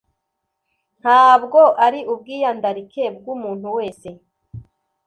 ntabwo ari ubwiyandarike bw’Umuntu wese